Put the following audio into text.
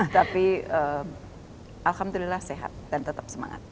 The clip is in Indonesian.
tapi alhamdulillah sehat dan tetap semangat